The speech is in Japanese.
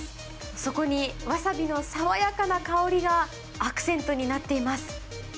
そこに、わさびの爽やかな香りがアクセントになっています。